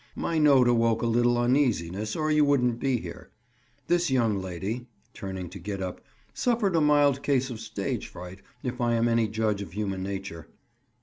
"My note awoke a little uneasiness, or you wouldn't be here. This young lady," turning to Gid up, "suffered a mild case of stage fright, if I am any judge of human nature."